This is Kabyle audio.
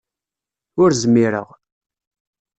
Ur zmireɣ.